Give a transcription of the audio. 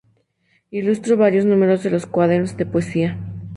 Ilustró varios números de los Quaderns de poesia.